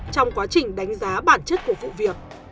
trong quá trình đánh giá bản chất của vụ việc